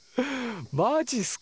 マジっすか！